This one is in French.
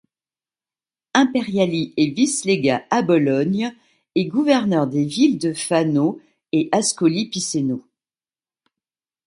Imperiali est vice-légat à Bologne et gouverneur des villes de Fano et Ascoli Piceno.